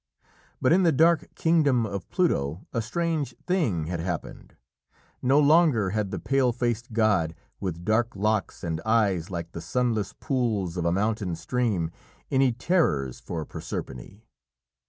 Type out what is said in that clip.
But in the dark kingdom of Pluto a strange thing had happened. No longer had the pale faced god, with dark locks, and eyes like the sunless pools of a mountain stream, any terrors for Proserpine.